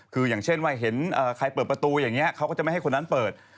คืออย่างเช่นว่าเห็นใครเปิดประตูอย่างนี้เขาก็จะไม่ให้คนนั้นเปิด